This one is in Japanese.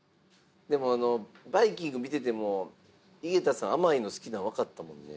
でもあのバイキング見てても井桁さん甘いの好きなん分かったもんね。